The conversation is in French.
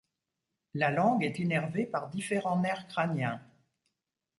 La langue est innervée par différents nerfs crâniens.